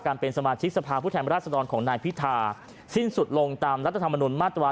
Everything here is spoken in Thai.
เป็นสมาชิกสภาพผู้แทนราชดรของนายพิธาสิ้นสุดลงตามรัฐธรรมนุนมาตรา๑